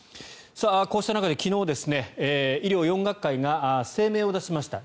こうした中で昨日、医療４学会が声明を出しました。